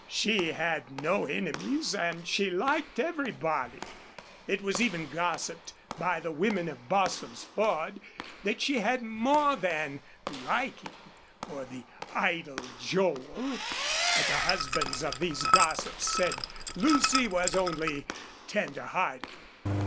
She had no enemies and she liked everybody. It was even gossiped by the women of Bostil's Ford that she had more than liking for the idle Joel. But the husbands of these gossips said Lucy was only tender hearted.